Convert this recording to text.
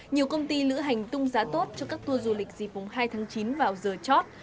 nhiều công ty lữ hành tung giá tốt cho các tour du lịch dịp hai tháng chín vào giờ chót